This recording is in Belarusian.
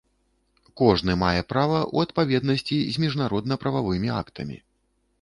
Кожны мае права ў адпаведнасці з міжнародна-прававымі актамі.